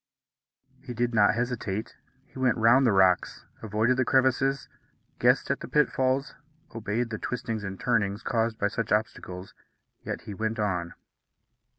He did not hesitate. He went round the rocks, avoided the crevices, guessed at the pitfalls, obeyed the twistings and turnings caused by such obstacles, yet he went on.